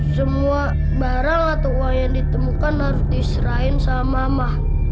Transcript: semua barang atau uang yang ditemukan harus diserahin sama mah